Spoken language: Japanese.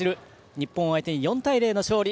日本を相手に４対０の勝利。